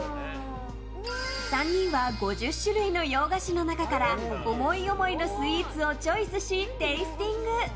３人は５０種類の洋菓子の中から思い思いのスイーツをチョイスしテイスティング。